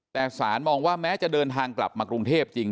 แต่สารมองว่าแม้จะเดินทางกลับมากรุงเทพจริง